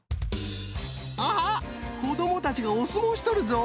あっこどもたちがおすもうしとるぞ！